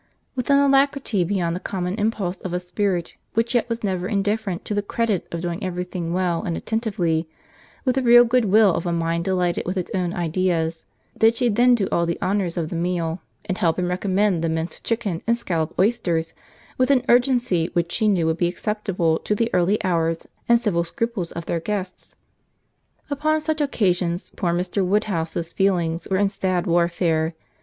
With an alacrity beyond the common impulse of a spirit which yet was never indifferent to the credit of doing every thing well and attentively, with the real good will of a mind delighted with its own ideas, did she then do all the honours of the meal, and help and recommend the minced chicken and scalloped oysters, with an urgency which she knew would be acceptable to the early hours and civil scruples of their guests. Upon such occasions poor Mr. Woodhouse's feelings were in sad warfare.